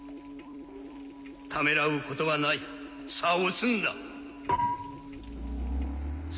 ためらうことはないさぁ押すんだ！